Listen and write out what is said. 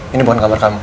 ini bukan kamar kamu